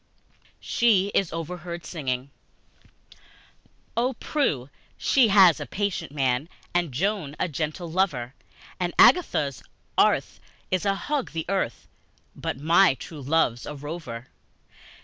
She is Overheard Singing OH, PRUE she has a patient man, And Joan a gentle lover, And Agatha's Arth' is a hug the hearth, But my true love's a rover!